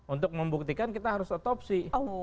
untuk membuktikan kita harus otopsi